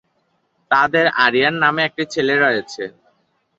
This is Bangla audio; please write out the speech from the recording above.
তাঁদের আরিয়ান নামে একটি ছেলে রয়েছে।